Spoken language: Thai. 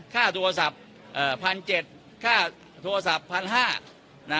ค่าโทรศัพท์เอ่อพันเจ็ดค่าโทรศัพท์พันห้าน่ะ